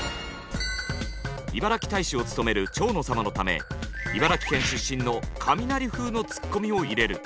いばらき大使を務める蝶野様のため茨城県出身のカミナリ風のツッコミを入れる。